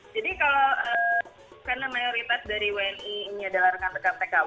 jadi kalau karena mayoritas dari wni ini adalah rekan rekan pkw